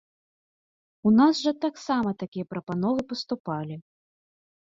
У нас жа таксама такія прапановы паступалі.